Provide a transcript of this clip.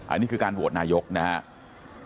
อันนี้คือการโหวตนายกนะครับ